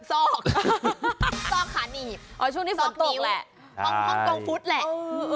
มันมีที่ซอกซอกขาหนีบซอกนิ้วของกองพุทธแหละอ๋อช่วงนี้ฝนตกแหละ